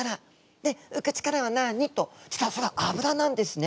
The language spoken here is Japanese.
で「浮く力はなに？」と実はそれはあぶらなんですね。